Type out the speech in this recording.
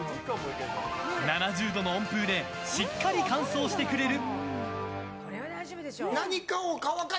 ７０度の温風でしっかり乾燥してくれる。